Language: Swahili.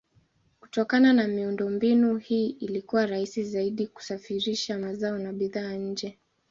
Kutokana na miundombinu hii ilikuwa rahisi zaidi kusafirisha mazao na bidhaa nje.